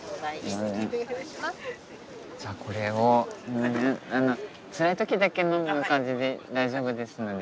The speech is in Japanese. じゃあこれをつらい時だけ飲む感じで大丈夫ですので。